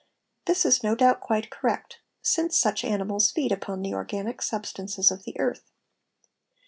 This is no doubt quite correct since such animals feed upon the organic substances of the earth.